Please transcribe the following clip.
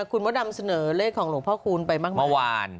คุณมดดำเสนอเลขของหลวงพ่อคูณไปมากเมื่อวาน